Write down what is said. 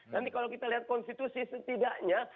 nanti kalau kita lihat konstitusi setidaknya